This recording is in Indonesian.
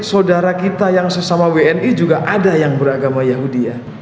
saudara kita yang sesama wni juga ada yang beragama yahudi ya